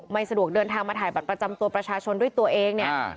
ไม่สะดวกเดินทางมาถ่ายบัตรประจำตัวประชาชนด้วยตัวเองเนี่ย